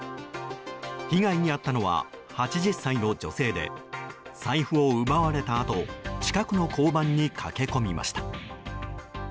被害に遭ったのは８０歳の女性で財布を奪われたあと近くの交番に駆け込みました。